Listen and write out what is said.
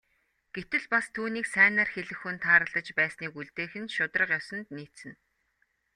Гэтэл бас түүнийг сайнаар хэлэх хүн тааралдаж байсныг үлдээх нь шударга ёсонд нийцнэ.